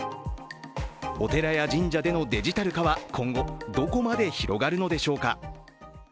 お寺や神社でのデジタル化は今後どこまで広がるのでしょうか。